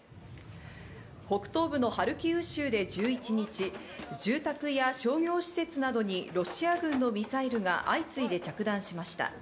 北東部のハルキウ州で１１日、住宅や商業施設などにロシア軍のミサイルが相次いで着弾しました。